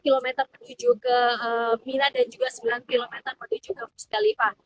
lima km menuju ke mina dan juga sembilan km menuju ke pusdalifah